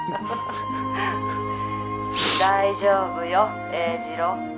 「大丈夫よ英二郎」